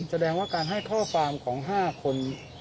แสดงว่าการให้ข้อความของ๕คน